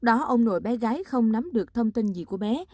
đó ông nội bé gái không nắm được thông tin gì của bé